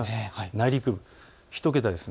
内陸部１桁です。